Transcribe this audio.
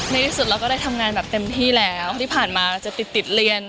ในที่สุดเราก็ได้ทำงานแบบเต็มที่แล้วที่ผ่านมาจะติดติดเรียน